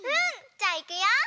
じゃあいくよ。